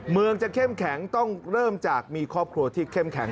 เมืองจะเข้มแข็งต้องเริ่มจากมีครอบครัวที่เข้มแข็ง